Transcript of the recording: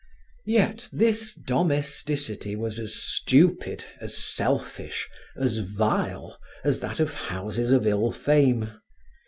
Yet this domesticity was as stupid, as selfish, as vile as that of houses of ill fame.